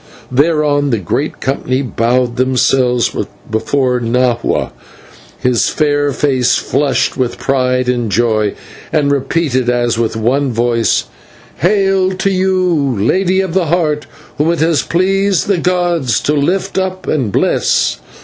Thereon the whole company bowed themselves before Nahua, whose fair face flushed with pride and joy, and repeated, as with one voice: "Hail! to you, Lady of the Heart, whom it has pleased the gods to lift up and bless.